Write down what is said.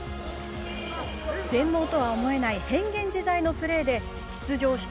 全盲とは思えない変幻自在のプレーで出場した